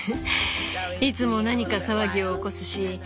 いつも何か騒ぎを起こすし。